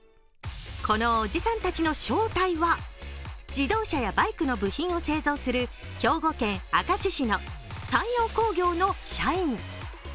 このおじさんたちの正体は、自動車やバイクの部品を製造する兵庫県明石市の三陽工業の社員。